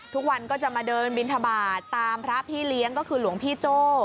ทุกวันก็จะมาเดินบินทบาทตามพระพี่เลี้ยงก็คือหลวงพี่โจ้